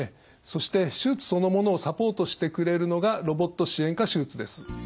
そして手術そのものをサポートしてくれるのがロボット支援下手術です。